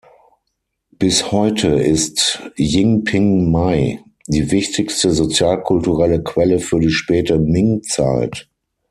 Bis heute ist "Jing Ping Mei" die wichtigste sozialkulturelle Quelle für die späte Ming-Zeit.